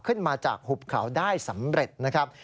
ขึ้นมาจากหุบเขาได้สำเร็จนะครับ